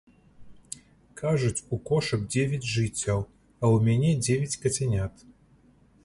Кажуць, у кошак дзевяць жыццяў, а ў мяне дзевяць кацянят.